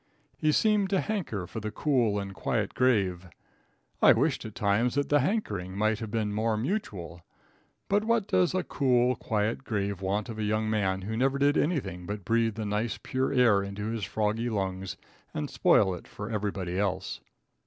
He seemed to hanker for the cool and quiet grave. I wished at times that the hankering might have been more mutual. But what does a cool, quiet grave want of a young man who never did anything but breathe the nice pure air into his froggy lungs and spoil it for everybody else?